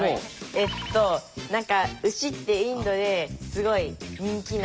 えっと何か牛ってインドですごい人気な。